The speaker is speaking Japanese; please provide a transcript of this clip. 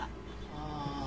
ああ。